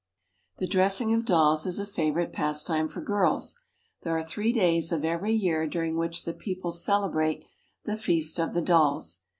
The dressing of dolls is a favorite pastime for girls. There are three days of every year during which the people celebrate the Feast of the Dolls.